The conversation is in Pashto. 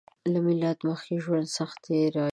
له میلاد مخکې ژوند سخت تېریدو